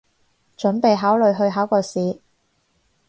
準備考慮去考個試